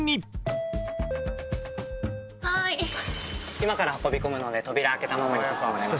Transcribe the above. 今から運び込むので扉開けたままにさせてもらいます。